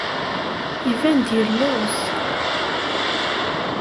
Iban-d yelluẓ.